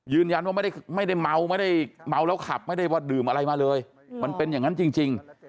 ยืนยันว่าไม่ได้เมาไม่ได้เมาแล้วขับไม่ได้ว่าดื่มอะไรมาเลยมันเป็นอย่างนั้นจริง